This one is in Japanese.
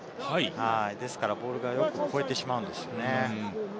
ですからボールがよく越えてしまうんですよね。